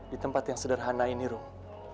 di tempat yang sederhana ini rung